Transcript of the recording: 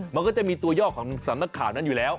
มันก็จะมีตัวย่อของสำนักข่าวนั้นอยู่แล้ว